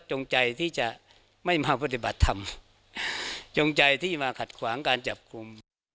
จงใจที่จะไม่มาปฏิบัติธรรมจงใจที่มาขัดขวางการจับกลุ่ม